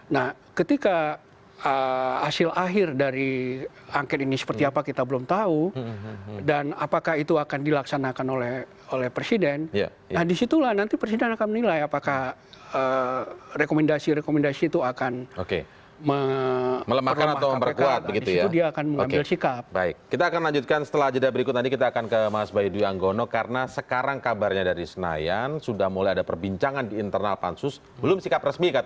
nah ketika hasil akhir dari angket ini seperti apa kita belum tahu dan apakah itu akan dilaksanakan oleh presiden nah disitulah nanti presiden akan menilai apakah rekomendasi rekomendasi itu akan melemahkan atau memperkuat